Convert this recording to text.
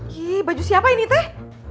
hi baju siapa ini teh